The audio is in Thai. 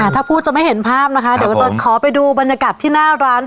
ถ้าพูดจะไม่เห็นภาพนะคะเดี๋ยวจะขอไปดูบรรยากาศที่หน้าร้าน